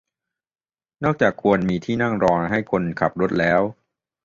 นอกจากควรมีที่นั่งรอให้คนขับรถแล้ว